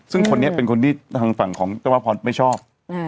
ซึ่งคนนี้เป็นคนที่ทางฝั่งของเจ้าภาพพรไม่ชอบ